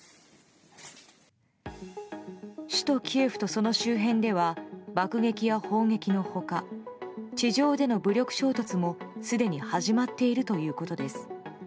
首都キエフとその周辺では爆撃や砲撃の他地上での武力衝突もすでに始まっているということです。